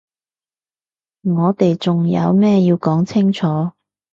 我哋仲有咩要講清楚？